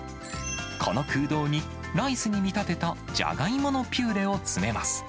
この空洞にライスに見立てたジャガイモのピューレを詰めます。